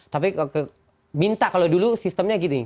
tapi minta kalau dulu sistemnya gitu nih